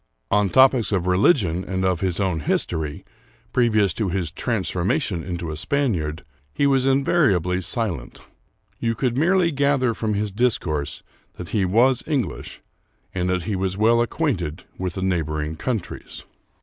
On topics of religion and of his own history, previous to his transformation into a Spaniard, he was invariably silent. You could merely gather from his disccurse that he was English, and that he was well acquainted with the neighbor ing countries.